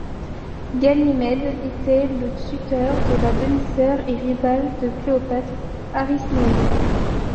Ganymède était le tuteur de la demi-sœur et rivale de Cléopâtre, Arsinoé.